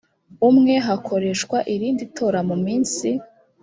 umwe hakoreshwa irindi tora mu minsi